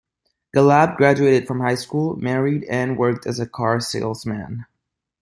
Galab graduated from high school, married and worked as a car salesman.